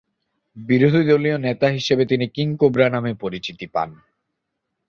বিরোধীদলীয় নেতা হিসেবে তিনি "কিং কোবরা" নামে পরিচিতি পান।